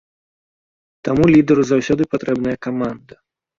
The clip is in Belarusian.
Таму лідару заўсёды патрэбная каманда.